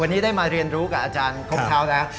วันนี้ได้มาเรียนรู้กับอาจารย์คกเท้าแล้ว